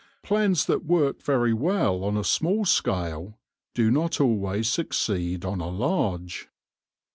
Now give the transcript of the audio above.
Plans that work very well on a small scale do not always succeed on a large.